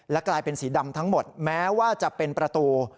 กลายเป็นสีดำทั้งหมดแม้ว่าจะเป็นประตู